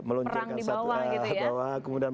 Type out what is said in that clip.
meluncurkan satu hal bawah kemudian